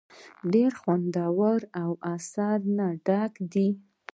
ډېر خوندور او د اثر نه ډک دے ۔